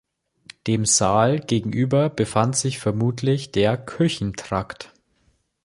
Dem Saal gegenüber befand sich vermutlich der Küchentrakt.